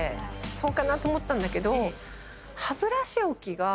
そうかなと思ったんだけど。